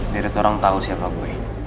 dari turang tau siapa gue